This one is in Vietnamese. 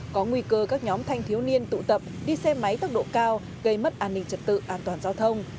có nguy cơ các nhóm thanh thiếu niên tụ tập đi xe máy tốc độ cao gây mất an ninh trật tự an toàn giao thông